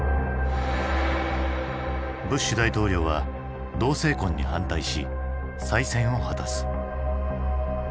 ブッシュ大統領は同性婚に反対し再選を果たす。